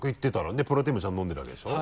でプロテインもちゃんと飲んでるわけでしょ？